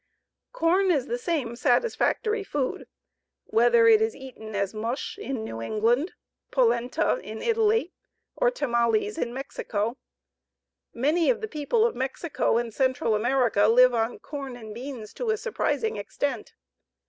Corn is the same satisfactory food whether it is eaten as mush in New England, polenta in Italy, or tamales in Mexico. Many of the people of Mexico and Central America live on corn and beans to a surprising extent.